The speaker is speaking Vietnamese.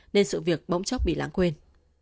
nên sự việc bỗng chốc bị lãng quên